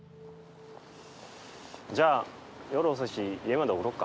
じゃあ夜遅いし家まで送ろうか？